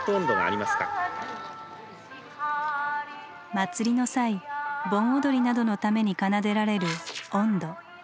祭りの際盆踊りなどのために奏でられる「音頭」。